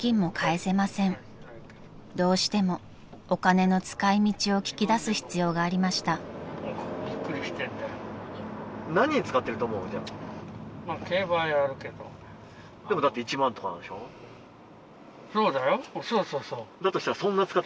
［どうしてもお金の使い道を聞き出す必要がありました］だとしたら。